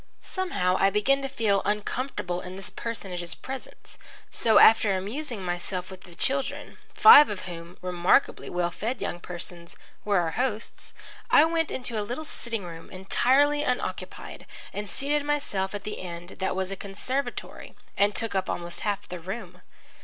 Somehow I began to feel uncomfortable in this personage's presence. So, after amusing myself with the children, five of whom, remarkably well fed young persons, were our host's, I went into a little sitting room, entirely unoccupied, and seated myself at the end that was a conservatory and took up almost half the room.